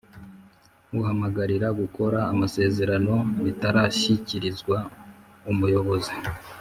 Uhamagarira gukora amasezerano bitarashyikirizwa umuyobozi